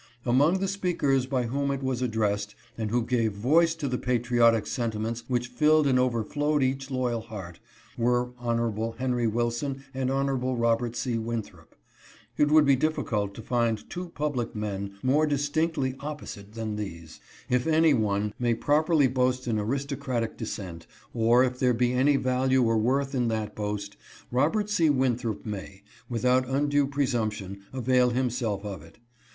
Among the speakers by whom it was addressed and who gave voice to the patriotic sentiments which filled and overflowed each loyal heart, were Hon. Henry Wilson, and Hon. Robert C. Winthrop. It would be difficult to find two public men more distinctly opposite than these. If any one may prop erly boast an aristocratic descent, or if there be any value or worth in that boast, Robert C. Winthrop may, without undue presumption, avail himself of it.